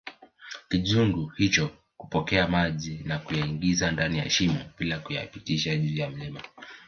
kijungu hicho kupokea maji na kuyaingiza ndani ya shimo bila kuyapitisha juu ya mlima